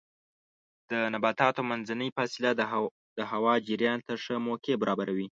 د نباتاتو منځنۍ فاصله د هوا جریان ته ښه موقع برابروي.